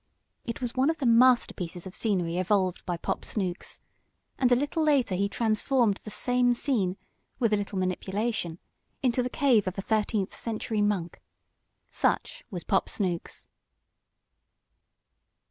It was one of the masterpieces of scenery evolved by Pop Snooks. And a little later he transformed the same scene, with a little manipulation, into the cave of a thirteenth century monk. Such was Pop Snooks.